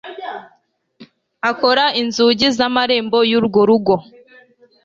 akora n inzugi z amarembo y urwo rugo